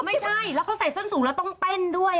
ไม่ใช่แล้วเขาใส่ส้นสูงแล้วต้องเต้นด้วย